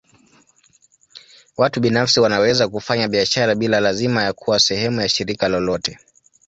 Watu binafsi wanaweza kufanya biashara bila lazima ya kuwa sehemu ya shirika lolote.